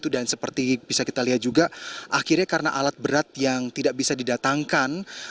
dan seperti bisa kita lihat juga akhirnya karena alat berat yang tidak bisa didatangkan